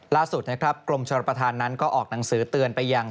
ล่าสุดนะครับกรมชนประธานนั้นก็ออกหนังสือเตือนไปยัง